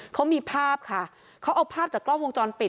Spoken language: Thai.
เขามีภาพค่ะเขาเอาภาพจากกล้องวงจรปิด